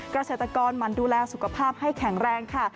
เกษตรกรหมั่นดูแลสุขภาพให้แข็งแรงค่ะ